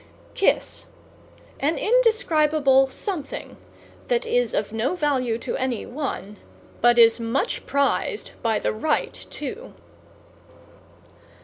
=KISS= An indescribable something that is of no value to any one, but is much prized by the right two.